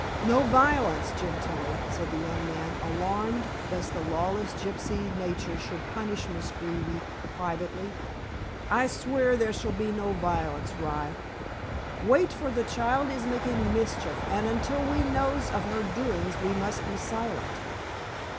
"No violence, Gentilla," said the young man, alarmed less the lawless gypsy nature should punish Miss Greeby privately. "I swear there shall be no violence, rye. Wait, for the child is making mischief, and until we knows of her doings we must be silent.